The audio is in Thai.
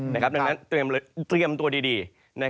ดังนั้นเตรียมตัวดี